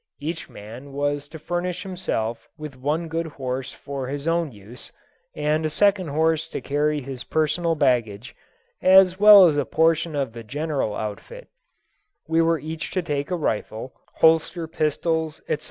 Each man was to furnish himself with one good horse for his own use, and a second horse to carry his personal baggage, as well as a portion of the general outfit; we were each to take a rifle, holster pistols, etc.